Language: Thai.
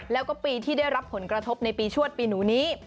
แล้วก็ปีที่ได้รับผลกระทบในปีชวดปีหนูนี้